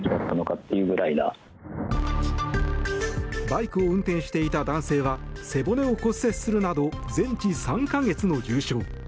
バイクを運転していた男性は背骨を骨折するなど全治３か月の重傷。